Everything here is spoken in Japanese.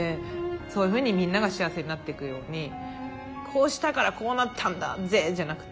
そういうふうにみんなが幸せになっていくようにこうしたからこうなったんだぜじゃなくて。